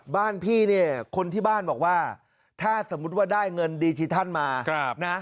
บ้านพี่เนี่ยคนที่บ้านบอกว่าถ้าสมมุติว่าได้เงินดิจิทัลมานะ